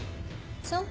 そう？